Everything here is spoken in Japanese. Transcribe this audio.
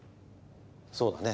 そうだね。